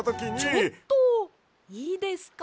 ちょっといいですか？